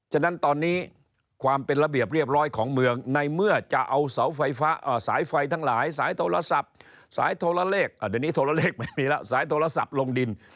ฉะนั้นตอนนี้ความเป็นระเบียบเรียบร้อยของเมืองในเมื่อจะเอาสายไฟทั้งหลายสายโทรศัพท์สายโทรเลขลงดิน